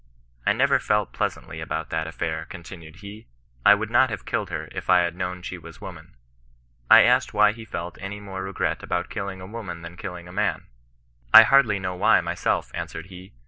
^ I neTer felt pleasantly about that afiair," continued he ;'^ I would not have killed her if I had known she was woman." I asked why he felt any more regret about killing a woman than killing a man 1 ^ I hardly know why myself," answered he.